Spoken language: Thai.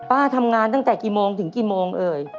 ทำงานตั้งแต่กี่โมงถึงกี่โมงเอ่ย